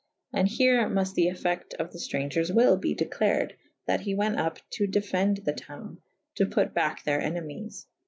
And here muft the effecte of the ftrau^gers wyl be declared / that he went vp to defend the towne to put back their enemies.